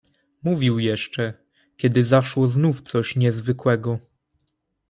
"Mówił jeszcze, kiedy zaszło znów coś niezwykłego."